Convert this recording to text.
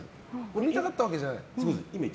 組みたかったわけじゃない？